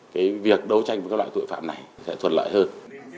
cái việc đấu tranh với các loại tội phạm này sẽ thuận lợi hơn